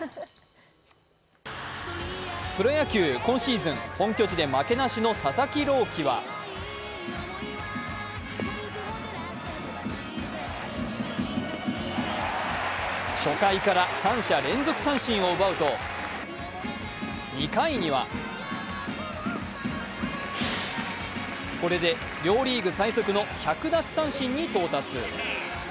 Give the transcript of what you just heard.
プロ野球、今シーズン本拠地で負けなしの佐々木朗希は初回から三者連続三振を奪うと、２回にはこれで両リーグ最速の１００奪三振に到達。